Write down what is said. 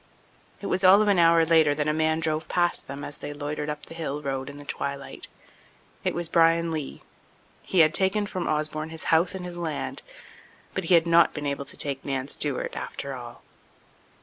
It was all of an hour later that a man drove past them as they loitered up the hill road in the twilight. It was Bryan Lee; he had taken from Osborne his house and land, but he had not been able to take Nan Stewart, after all.